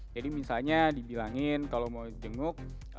jadi misalnya dibilangin kalau mau jenguk